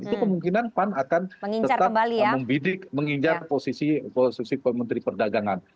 itu kemungkinan pan akan tetap meminjar posisi menteri perdagangan